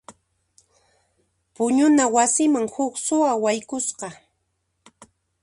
Puñuna wasiman huk suwa haykusqa.